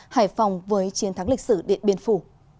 hải phòng với chiến thắng lịch sử điện biên phủ